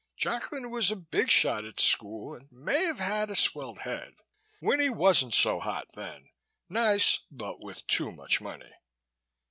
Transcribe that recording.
"Jacklin was a big shot at school and may have had a swelled head. Winnie wasn't so hot then nice but with too much money.